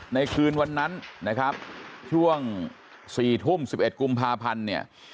ในคืนวันนั้นนะครับช่วง๔ทุ่ม๑๑กุมภาพันธ์เนี่ย